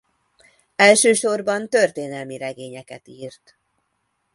Elsősorban történelmi regényeket írt.